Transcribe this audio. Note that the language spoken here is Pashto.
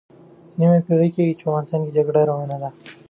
نیمه پېړۍ کېږي چې په افغانستان کې جګړه روانه ده.